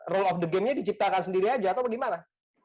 rule of the game nya diciptakan sendiri aja atau bagaimana